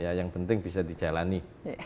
ya yang penting bisa dijalani